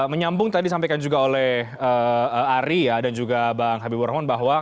menyambung tadi sampaikan juga oleh ari ya dan juga bang habibur rahman bahwa